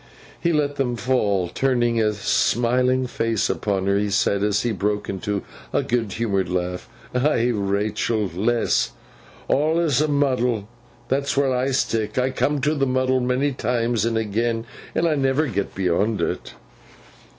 He let them fall, turned a smiling face upon her, and said, as he broke into a good humoured laugh, 'Ay, Rachael, lass, awlus a muddle. That's where I stick. I come to the muddle many times and agen, and I never get beyond it.